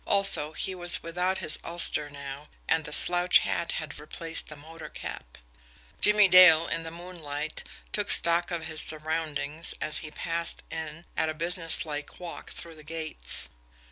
Also, he was without his ulster now, and the slouch hat had replaced the motor cap. Jimmie Dale, in the moonlight, took stock of his surroundings, as he passed in at a businesslike walk through the gates.